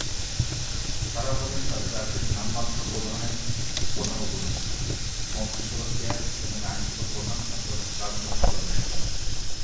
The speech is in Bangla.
তারা হবেন তাদের রাজ্যের নামমাত্র প্রধানের প্রধান উপদেষ্টা, মন্ত্রিসভার চেয়ার এবং আইনসভায় প্রধান শাসক রাজনৈতিক দলের নেতা।